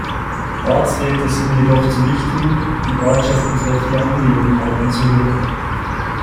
Ortsräte sind jedoch zu wichtigen, die Ortschaft betreffenden Angelegenheiten zu hören.